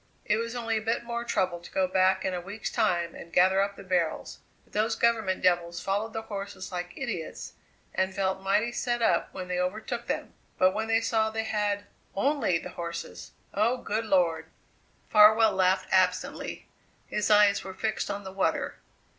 It was only a bit more trouble to go back in a week's time and gather up the barrels; but those government devils followed the horses like idiots and felt mighty set up when they overtook them! But when they saw they had only the horses, oh! good Lord!" Farwell laughed absently; his eyes were fixed on the water.